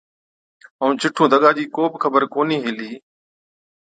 اُون جِنُون دگا چِي ڪو بِي خبر ڪونهِي هِلِي۔